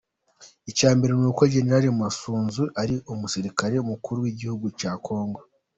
Icyambere nuko General Masunzu ari umusirikare mukuru w’igihugu cya Kongo.